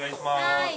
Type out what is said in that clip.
はい。